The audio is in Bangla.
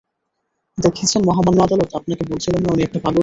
দেখেছেন মহামান্য আদালত, আপনাকে বলেছিলাম না উনি একটা পাগল।